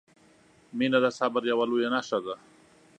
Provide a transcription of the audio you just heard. • مینه د صبر یوه لویه نښه ده.